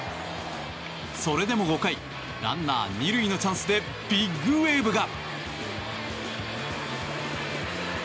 それでも５回ランナー２塁のチャンスでビッグウェーブが。